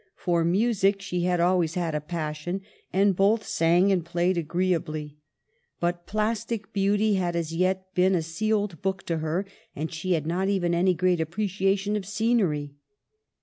For music she had always had a passion, and both sang and played agreeably. But plastic beauty had as yet been a sealed book to her, and she had not even any great appreciation of scenery.